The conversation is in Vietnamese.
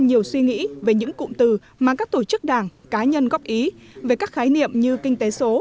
nhiều suy nghĩ về những cụm từ mà các tổ chức đảng cá nhân góp ý về các khái niệm như kinh tế số